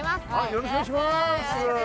よろしくお願いします。